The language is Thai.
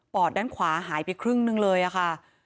อดด้านขวาหายไปครึ่งหนึ่งเลยค่ะ